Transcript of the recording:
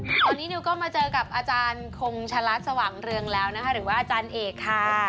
ตอนนี้นิวก็มาเจอกับอาจารย์คงชะลัดสว่างเรืองแล้วนะคะหรือว่าอาจารย์เอกค่ะ